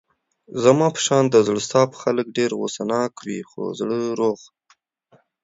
زما په شان د زړه صاف خلګ ډېر غوسه ناکه وي خو زړه روغ.